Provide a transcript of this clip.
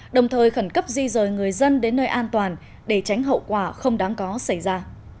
đồng thời khẩn cấp di rời người dân đến nơi an toàn để tránh hậu quả không đáng có xảy ra